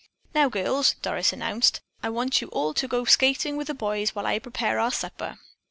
"Now, girls," Doris announced, "I want you all to go skating with the boys while I prepare our supper."